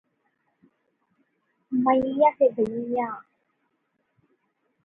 Many of these routes are unsigned.